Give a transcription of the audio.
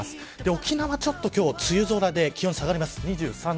沖縄は今日は、ちょっと梅雨空で気温が下がります。